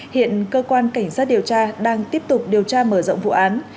hiện cơ quan cảnh sát điều tra đang tiếp tục điều tra mở rộng vụ án